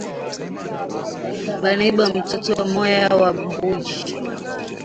Banaiba mtoto moya wa mbuji